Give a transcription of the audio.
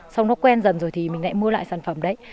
xong nó quen dần rồi thì mình lại mua lại sản phẩm đấy